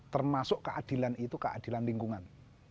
termasuk keadilan itu keadilan lingkungan